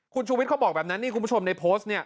คุณชูวิทย์เขาบอกแบบนั้นนี่คุณผู้ชมในโพสต์เนี่ย